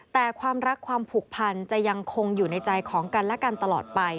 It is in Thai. แต่ความรักความผูกพันจะยังคงอยู่ในใจของกันและกันตลอดไป